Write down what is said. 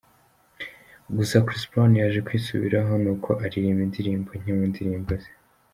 Gusa Chris Brown yaje kwisubiraho ni uko aririmba indirimbo nke mu ndirimbo ze.